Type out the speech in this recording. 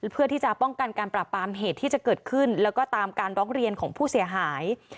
เพื่อที่จะป้องกันการปราบปรามเหตุที่จะเกิดขึ้นแล้วก็ตามการร้องเรียนของผู้เสียหาย